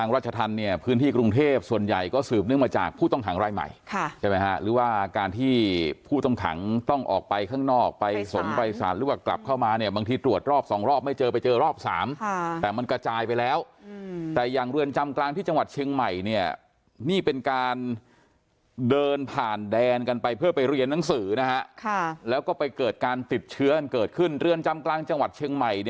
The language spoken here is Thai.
เริ่มต้นนับหนึ่งกลับตัวใหม่